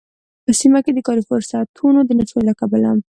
په سيمه کې د کاری فرصوتونو د نشتوالي له کبله